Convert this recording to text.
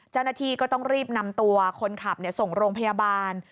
เจ้าหน้าที่ก็ต้องรีบนำตัวคนขับส่งโรงพยาบาล